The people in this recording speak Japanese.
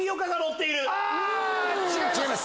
あ違います！